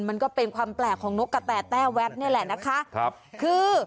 มันก็เป็นความแปลกของนกกระแต้แวดนี่แหละนะคะครับคือ